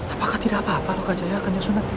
apakah tidak apa apa loka jaya kanjeng sunan